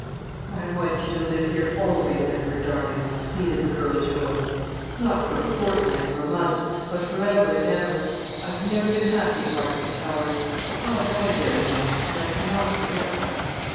"I want you to live here always, Edward darling," pleaded the girlish voice. "Not for a fortnight or a month, but for ever and ever. I have never been happy at Marchmont Towers. Papa died there, you know, and I cannot forget that.